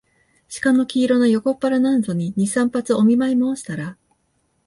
鹿の黄色な横っ腹なんぞに、二三発お見舞もうしたら、